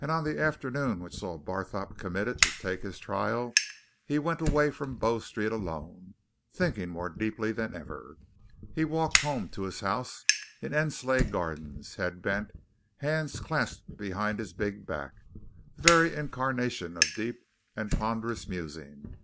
And on the afternoon which saw Barthorpe committed to take his trial, he went away from Bow Street, alone, thinking more deeply than ever. He walked home to his house in Endsleigh Gardens, head bent, hands clasped behind his big back, the very incarnation of deep and ponderous musing.